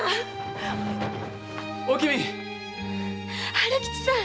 春吉さん！